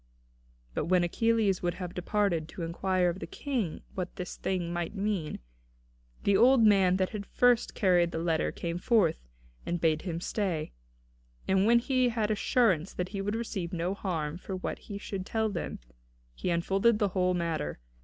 But when Achilles would have departed, to inquire of the King what this thing might mean, the old man that had at the first carried the letter came forth, and bade him stay. And when he had assurance that he would receive no harm for what he should tell them, he unfolded the whole matter.